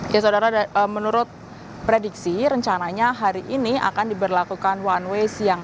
ya saudara menurut prediksi rencananya hari ini akan diberlakukan one way siang